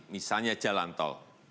misalnya jalan tol